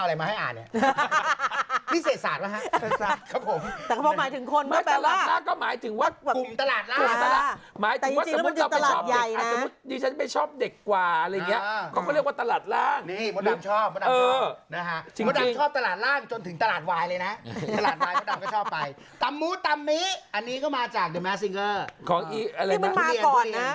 อันนี้เอาอะไรมาให้อ่านเนี่ย